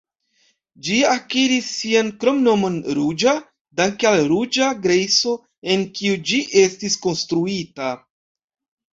Ĝi akiris sian kromnomon "ruĝa" danke al ruĝa grejso, el kiu ĝi estis konstruita.